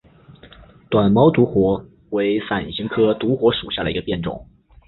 短毛独活为伞形科独活属下的一个变种。